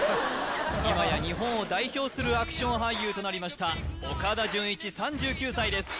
今や日本を代表するアクション俳優となりました岡田准一３９歳です